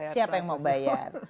siapa yang mau bayar